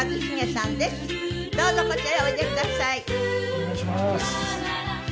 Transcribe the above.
お願いします。